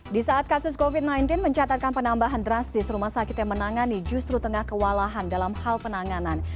di saat kasus covid sembilan belas mencatatkan penambahan drastis rumah sakit yang menangani justru tengah kewalahan dalam hal penanganan